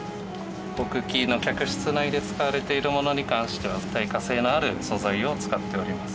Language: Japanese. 航空機の客室内で使われているものに関しては耐火性のある素材を使っております。